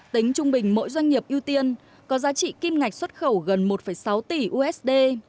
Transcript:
tính trung bình mỗi doanh nghiệp ưu tiên có giá trị kim ngạch xuất khẩu gần một sáu tỷ usd